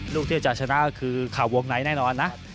ลูกที่จะชนะก็คือเข่าวงในแน่นอนนะ